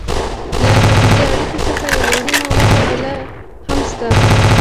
له تولیدي اړیکو څخه یوه مهمه موخه بله هم شته.